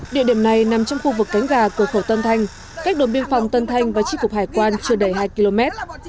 địa điểm này nằm trong khu vực cánh gà cửa khẩu tân thanh cách đồn biên phòng tân thanh và chi cục hải quan chưa đầy hai km